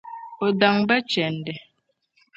O daŋ ba chɛndi.